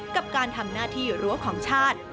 กับการทำหน้าที่รั้วของชาติ